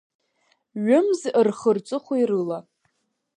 Ҩымз рхы-рҵыхәеи рыла…